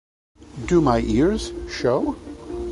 Do my ears show?